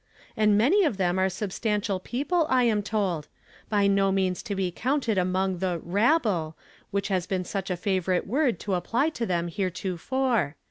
And many of them are substantial people, I am told, by no means to be counted among the 'rabble,' which has been such a favorite word to apply to them heretofore.